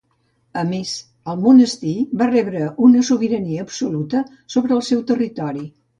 A més, el monestir va rebre una sobirania absoluta sobre el seu territori.